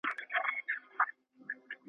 چي د چا له کوره وزمه محشر سم.